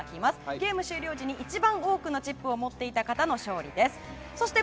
ゲーム終了時に一番多くのチップを持っていた方の勝利。